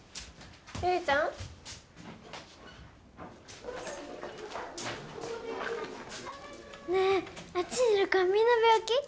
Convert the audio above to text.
悠里ちゃん？ねえあっちにいる子はみんな病気？